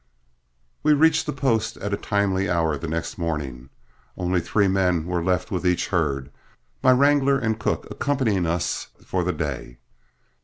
We reached the post at a timely hour the next morning. Only three men were left with each herd, my wrangler and cook accompanying us for the day.